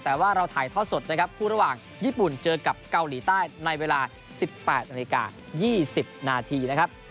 แต่ว่าเราถ่ายทอดสดนะครับคู่ระหว่างญี่ปุ่นเจอกับเกาหลีใต้ในเวลา๑๘นาฬิกา๒๐นาทีนะครับ